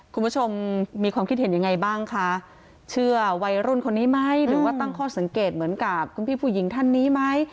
คุณผู้ชมมีความคิดเห็นยังไงบ้างคะเชื่อวัยรุ่นคนนี้ไหมหรือว่าตั้งข้อสังเกตเหมือนกับคุณพี่ผู้หญิงท่านนี้ไหม